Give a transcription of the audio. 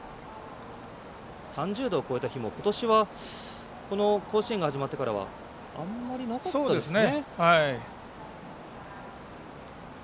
３０度を超えた日も、ことしは甲子園が始まってからはあんまりなかったですよね。